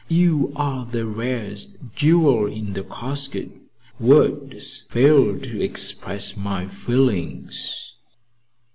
"You are the rarest jewel in the casket. Words fail to express my feelings.